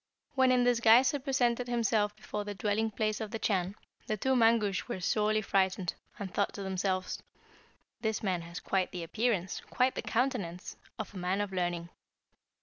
"When in this guise he presented himself before the dwelling place of the Chan, the two Mangusch were sorely frightened, and thought to themselves, 'This man has quite the appearance, quite the countenance, of a man of learning.'